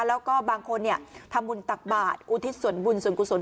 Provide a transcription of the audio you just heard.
แล้วก็บางคนทำบุญตักบาทอุทิศส่วนบุญส่วนกุศล